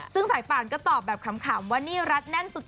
ซึ่งสายป่านก็ตอบแบบขำว่านี่รัดแน่นสุด